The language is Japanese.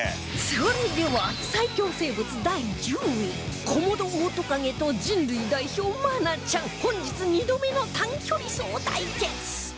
それでは最恐生物第１０位コモドオオトカゲと人類代表愛菜ちゃん本日２度目の短距離走対決